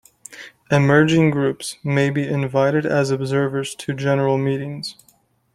Emerging Groups may be invited as observers to General Meetings.